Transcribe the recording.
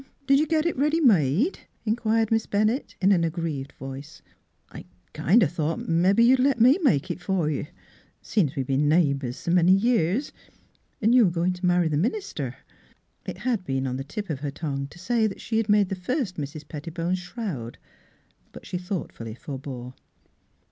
" Did you git it ready made ?" in quired Miss Bennett, in an aggrieved voice. " I'd kind o' thought mebbe you'd let me make it for you, seein' we've been Miss Fhtlura's Wedding Gown neighbours s' many years, and you a goin* t' marry the minister." It had been on the tip of her V>ngue to say that she had made the first Mrs. Pettibone's shroud; but she thoughtfully forbore.